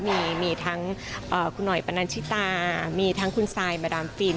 มีทั้งคุณหน่อยปนันชิตามีทั้งคุณซายมาดามฟิน